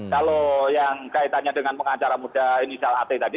kalau yang kaitannya dengan pengacara muda inisial at tadi